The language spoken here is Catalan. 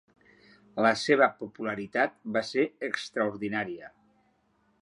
La seva popularitat va ser extraordinària.